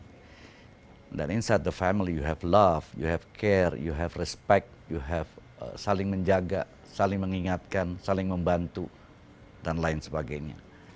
dan di dalam keluarga kita memiliki cinta kita memiliki hati kita memiliki respek kita memiliki saling menjaga saling mengingatkan saling membantu dan lain sebagainya